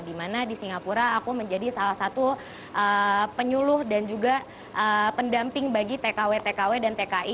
dimana di singapura aku menjadi salah satu penyuluh dan juga pendamping bagi tkw tkw dan tki